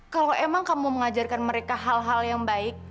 kalau emang kamu mengajarkan mereka hal hal yang baik